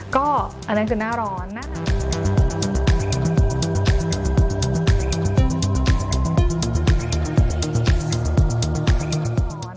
ก็อันนั้นคือหน้าร้อนนะคะ